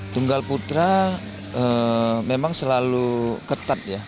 tunggal putra memang selalu ketat ya